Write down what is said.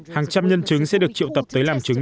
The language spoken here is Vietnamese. hàng trăm nhân chứng sẽ được triệu tập tới làm chứng